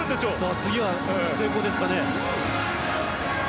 次は成功ですかね。